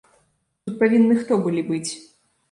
Тут павінны хто былі быць?